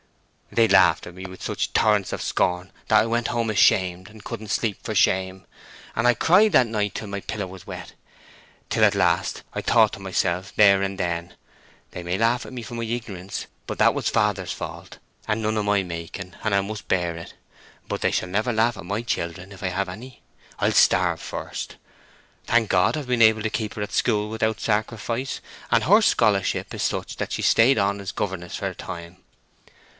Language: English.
They laughed at me with such torrents of scorn that I went home ashamed, and couldn't sleep for shame; and I cried that night till my pillow was wet: till at last I thought to myself there and then—'They may laugh at me for my ignorance, but that was father's fault, and none o' my making, and I must bear it. But they shall never laugh at my children, if I have any: I'll starve first!' Thank God, I've been able to keep her at school without sacrifice; and her scholarship is such that she stayed on as governess for a time.